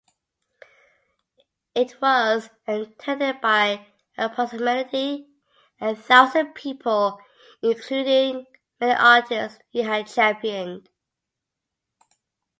It was attended by approximately a thousand people including many artists he had championed.